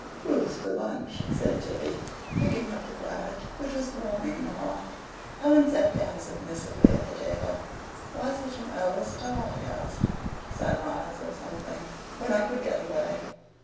"Who's for lunch?" said Tibby, picking up the claret, which was warming in the hearth. Helen sat down submissively at the table. "Why such an early start?" he asked. "Sunrise or something when I could get away."